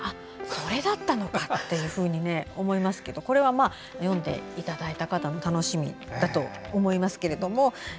それだったのか！と思いますけどこれは読んでいただいた方の楽しみだと思いますけど。